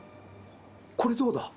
これどうだ？